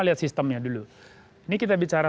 lihat sistemnya dulu ini kita bicara